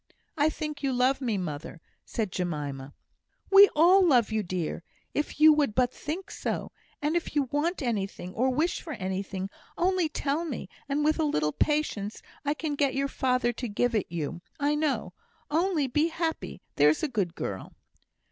"I think you love me, mother," said Jemima. "We all love you, dear, if you would but think so. And if you want anything, or wish for anything, only tell me, and with a little patience I can get your father to give it you, I know. Only be happy, there's a good girl."